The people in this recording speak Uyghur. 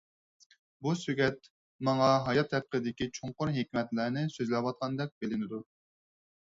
بۇ سۆگەت ماڭا ھايات ھەققىدىكى چوڭقۇر ھېكمەتلەرنى سۆزلەۋاتقاندەك بىلىنىدۇ.